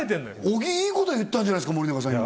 小木いいこと言ったんじゃないですか森永さん